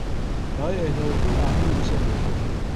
برای اهدای خون به افراد بیشتری نیاز داریم.